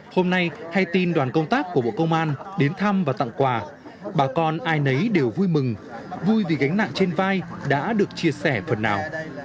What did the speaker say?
hôm nay hay tin đoàn công tác của bộ công an đến thăm và tặng quà bà con ai nấy đều vui mừng vui vì gánh nặng trên vai đã được chia sẻ phần nào